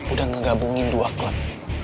udah ngegabungin dua klub